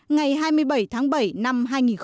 ngày hai mươi bảy tháng bảy năm hai nghìn một mươi chín